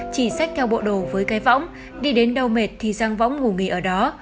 chỉ xách theo bộ đồ với cái võng đi đến đâu mệt thì sang võng ngủ nghỉ ở đó